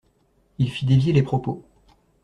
Il fit dévier les propos.